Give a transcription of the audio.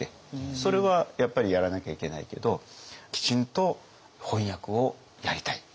それはやっぱりやらなきゃいけないけどきちんと翻訳をやりたい。